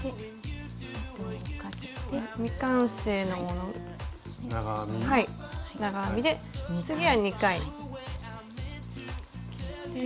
未完成の長編みで次は２回。